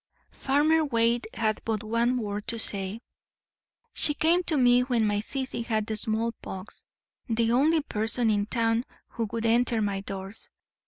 '" Farmer Waite had but one word to say: "She came to me when my Sissy had the smallpox; the only person in town who would enter my doors.